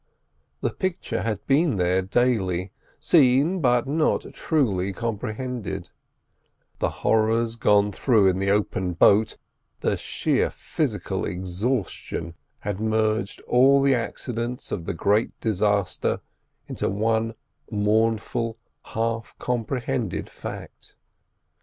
The picture had been there daily, seen but not truly comprehended; the horrors gone through in the open boat, the sheer physical exhaustion, had merged all the accidents of the great disaster into one mournful half comprehended fact.